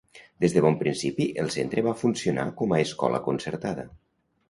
Des de bon principi el centre va funcionar com a escola concertada.